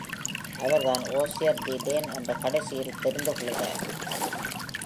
அவர் தான் Ogier the Dane என்றுகடைசியில் தெரிந்து கொள்கிறார்.